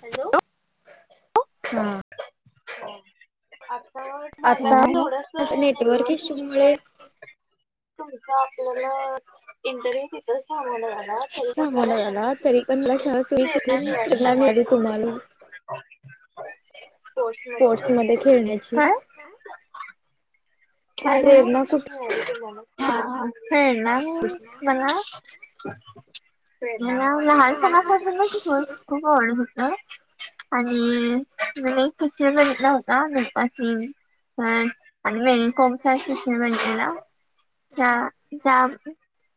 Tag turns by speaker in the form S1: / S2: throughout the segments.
S1: Hello हा.
S2: [unintelligible] मगाशी थोडस नेटवर्क इशूमुळे तुमचा आपल्याला इंटरव्ह्यू तिथंच थांबवला. हा तरी पण मला सांग त मी खूप प्रेरणा मिळाली तुम्हाला स्पोर्ट्स मध्ये जेवणाची काय झालं? कळणार नाही मला मला लहानपणापासूनच शुट खूप आवडत होत आणि [unintelligible] [unintelligible] त्या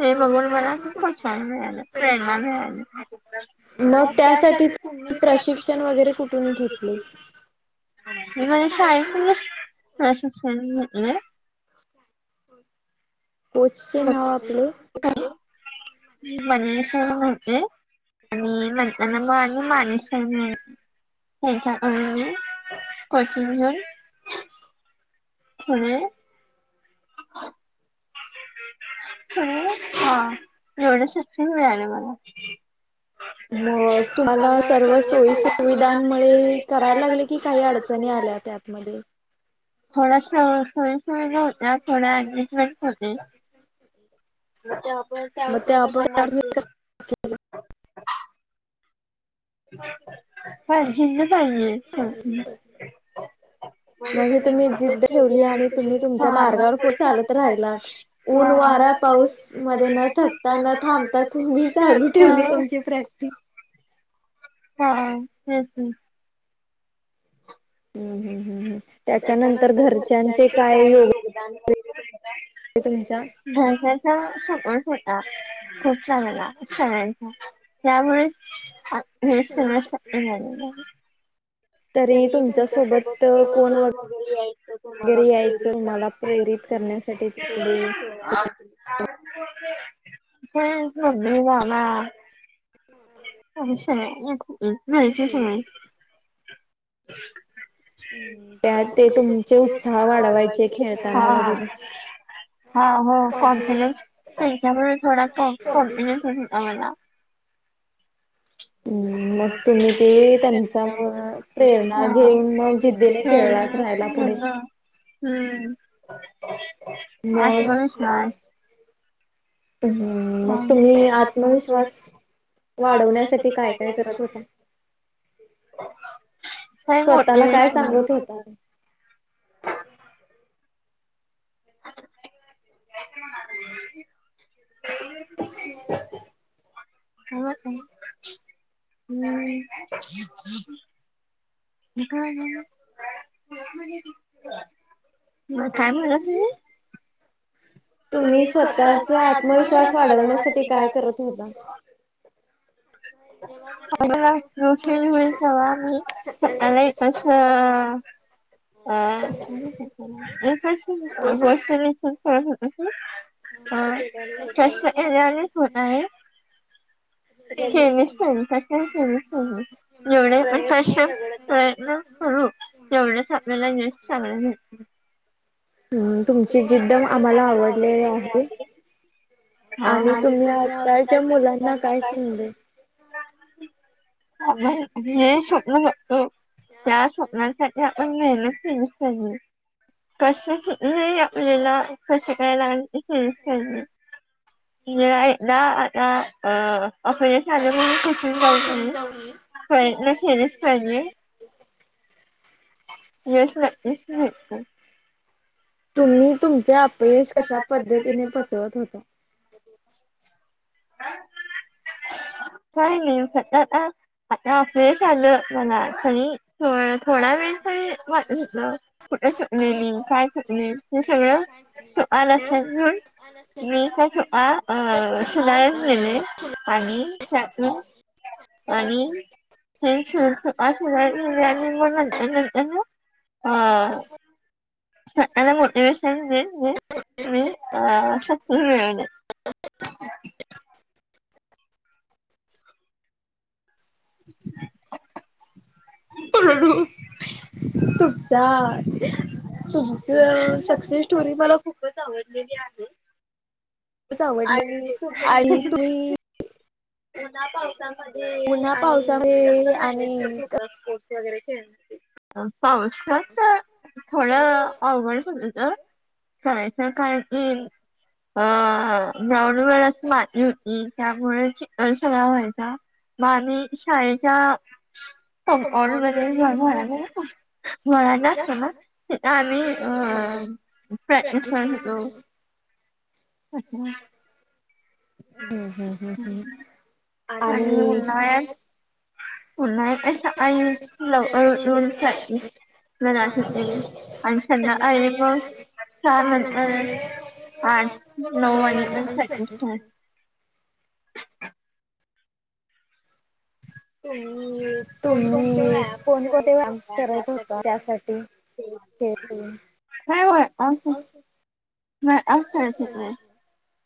S2: हे बघून मला खूप प्रोत्साहन मिळालं प्रेरणा मिळाली.
S1: मग त्यासाठी प्रशिक्षण वगैरे कुठून घेतले. [inaudible]
S2: मी शाळेतूनच प्रशिक्षण घेतले.
S1: कोचचे नाव आपले?
S2: मनीष सर म्हणून होते. आणि म्हणताना माणस आणि ह्याच्याकडून कोचिंग घेऊन कोणी हा जेवढ शिक्षण मिळालं मला.
S1: मग तुम्हाला सर्व सोयी सुविधांमुळे करायला लागले की काही अडचणी आल्या त्यामध्ये
S2: थोड्या सोयी सुविधा होत्या थोड्या ऍडजेस्टमेंट होत्या. त्यावरती कसा मात केला? बर. जिद्द पाहिजे शेवटी म्हणजे तुम्ही जिद्द ठेवली आणि तुम्ही
S1: तुमच्या मार्गावर चालत राहिलात ऊन, वारा, पाऊस मध्ये न थकता न थांबता तुम्ही चालू ठेवली तुमची प्रॅक्टिस.
S2: हा तेच. त्याच्यानंतर घरच्यांच काय योगदान?
S1: [unintelligible]
S2: घरच्यांचा सपोर्ट होता खूप चांगला सगळ्यांचा. त्यामुळे हे सगळ शक्य झाले. तरी तुमच्यासोबत कोण वगैरे यायचं तुम्हाला प्रेरित करण्यासाठी? [unintelligible] हम जा ना, [unintelligible] त्यात ते तुमचे उत्साह वाढवायचे खेळताना हा हो कॉन्फिडन्स त्याच्यामुळे थोडा कॉन्फिडन्स होत. होता मला,
S1: हम्म मग तुम्ही ते त्यांच्यामुळ, प्रेरणा घेऊन मग जिद्दीने खेळला, त राहायला पुढे,
S2: हम्म आत्मविश्वास
S1: हम्म मग तुम्ही आत्मविश्वास, वाढवण्यासाठी काय, काय करत होता. स्वतःला काय सांगत होता त, [inaudible]
S2: [inaudible]
S1: [inaudible]
S2: ह, हम्म, [unintelligible] मग काय म्हणाला तुम्ही,
S1: तुम्ही स्वतःचा आत्मविश्वास वाढवण्यासाठी काय करत होता.
S2: [unintelligible] [unintelligible] ह हा कसं होण आहे. [inaudible] एवढ कशे शक्ययं. करू तेवढ्याचं आपल्याला यश चांगला मिळत.
S1: हम् तुमची जिद्द आम्हांला आवडलेली आहे.
S2: ह आणि तुम्ही कायच्या मुलांना काय सांग- [unintelligible] स्वप्न बघतो. त्या स्वप्नांसाठी आपण, मेहनत केली पाहिजे कष्ट ही. नाही आपल्याला कसं करायला [inaudible] [inaudible] अपयश आले म्हणून खचून जाऊ नये, प्रयत्न केलेचं पाहिजे. यश नकीच मिळतं.
S1: तुम्ही तुमचे अपयश कश्या पद्धतीने पचवत होता. [unintelligible]
S2: काय नाही [unintelligible] आता अपयश आलं मला किनि थोड, थोडा वेळ, वाटत होतं कुठे चुकलं मी काय चुकलं हे सगळं. [inaudible] आणि [unintelligible] आणि हे [inaudible] हं. सकाळी उठते वेळेस ह म अ [unintelligible] हं. [unintelligible] [unintelligible]
S1: [inaudible]
S2: तुमचा तु सक्सेस होते मला खूपचं आवडतं. आणि [unintelligible] उन्हा पावसामध्ये आणि, कसं मॅनेज करतं होता स्पोर्ट्स, वगैरे. [unintelligible] थोडं अवघड [unintelligible] करायचं. कारण की अ जवळ वेळच माती होती, त्यामुळेच चिखल सराव व्हायचा. मग आम्ही शाळेच्या. [inaudible] [inaudible] अच्छा. आणि उन्हाळ्यात उन्हाळ्यात अशी आई लवकर उठून जाती [unintelligible] आणि संध्याकाळी मगं? सहा नंतर आठ नऊ वाजले [unintelligible] हम्.
S1: तुम्ही कोण कोणते व्यायाम करतं होता त्यासाठी? हेच दोन.
S2: [inaudible]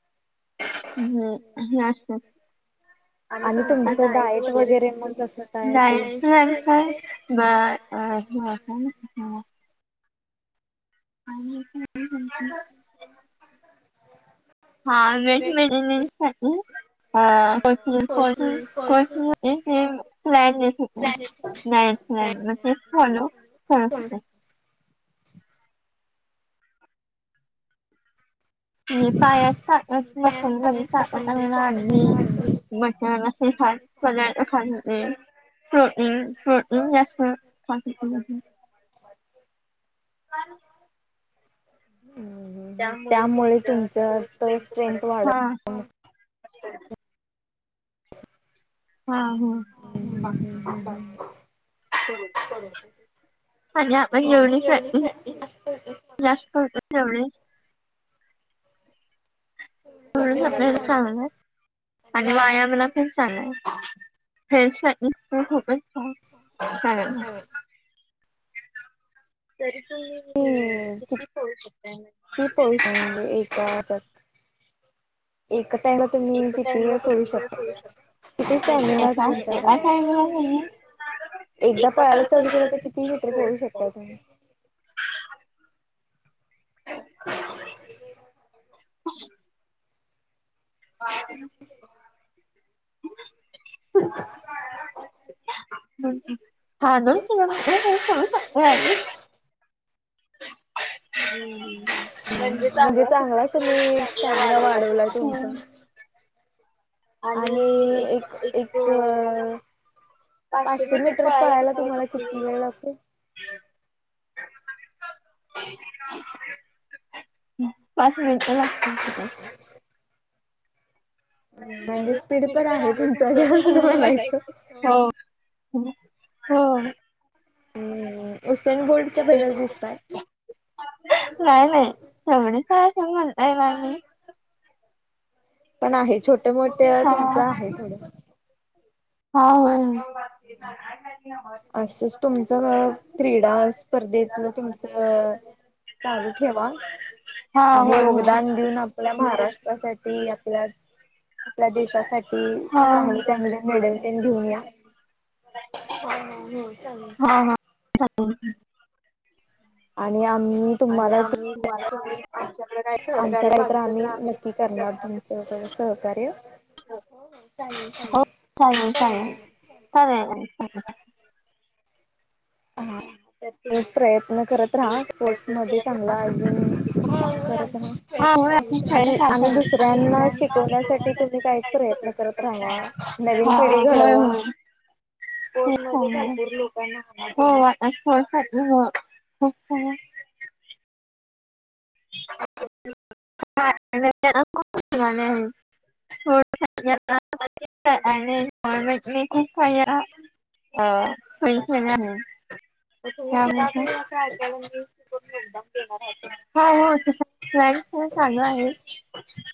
S2: ह हे असंच. आणि तुमचं डायट वगैरे मगं कसं कायं? [unintelligible] [unintelligible] ह ह ह हा. हा. [inaudible] [unintelligible] [inaudible] [inaudible] मी [inaudible] बटशी ख पदारथ ख प्रोटन [unintelligible] [inaudible] त्यामुळे तुमच स्ट्रेंथ वाढत हा हा. अ आपण जेवणे जास्त होत जेवणे [unintelligible] ल्या चांगलं आणि वायामला पण चांगला आहे हेश [unintelligible]
S1: ह.
S2: तरी तुम्ही किती पू शकता?
S1: एक टाईम तुम्ही किती वेळ पू शकता? किती सॅमिनार तुमचा? एकदा पळायला चालू केलं तर किती मीटर पळू शकता तुम्ही? [unintelligible] [unintelligible]
S2: ह. ह.
S1: [unintelligible]
S2: सांगूकते [unintelligible] [inaudible]
S1: हम् म्हणजे चांगला तुम्ही स्टॅमिना वाढवलाय तुमचा आणि एक एक अ पाचशे मीटर पळायला तुम्हाला किती वेळ लागतो?
S2: [unintelligible] पाच मिनट लागत म्हणजे स्पीड तर आहे तुमचचं हो. मुस् बोर्टच्या घरीत [unintelligible] नाही नाही जवढच अस म्हणय नाही नाही [unintelligible]
S1: पण आहे छोट्या मोठ्या तुमचं आहे थोड
S2: हा मा तुमच क्रीडा स्पर्धेत झाल किं चालू ठेवा हाला दिन आपल्या महाराष्ट्रासाठी आपल्या आपल्या देशासाठी चडेल
S1: घेऊन या हो चालेल
S2: हो आणि आम्ही मा का सहकार मागितलं तर आम्ही करणार हो चालेल चालेल चालेल
S1: एक प्रयत्न करत राहा स्पोर्ट्स मध्ये चांगला अजून आणि आणि दुसऱ्यांना शिकवण्यासाठी तुम्ही कायच प्रयत् न करत राहा नवीन पिढी घडवावा
S2: भरपूर लोकांना हो गा आहे आणि गर्मेंट खूप काला अ सई ख ना आणि तुम्ही आ ऐकाय मीून एकदम देणार हो हो हो चालू आहे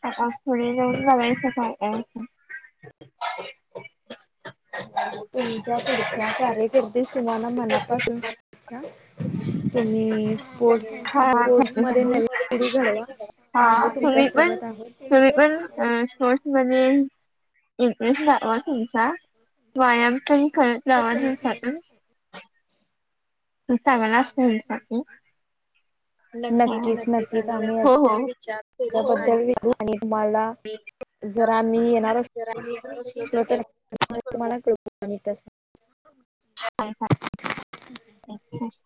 S2: आ थोडे जाऊन का
S1: तुमच्या पुढच्या कार्यकिर्दी तुम्हाला म म नाफासून श तुम्ही स्पोर् स्पोर्टस म नडी घडवा आम्ही तुमच्या तबत आ
S2: र्स म इंग ला तुमचा व्यायाम करी करत नवा दिवसातून सगला अस नक्कीच नक्कीच आणि नक्कीच विचार करू आणि
S1: तुम्हाला जरा म्ही येणारल तर तुम्हाला कृप माित
S2: हा अच्छा